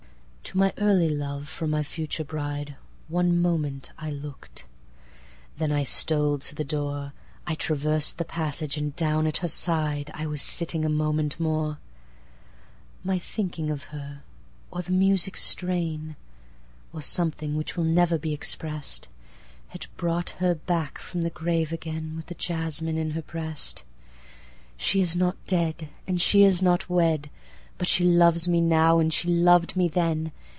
To my early love from my future brideOne moment I look'd. Then I stole to the door,I travers'd the passage; and down at her sideI was sitting, a moment more.My thinking of her, or the music's strain, Or something which never will be exprest, Had brought her back from the grave again, With the jasmine in her breast. She is not dead, and she is not wed! But she loves me now, and she lov'd me then!